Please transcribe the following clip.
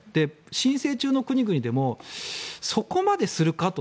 申請中の国々でもそこまでするかと。